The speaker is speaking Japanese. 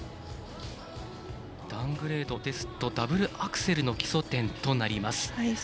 ダウングレードですとダブルアクセルの基礎点となりますね。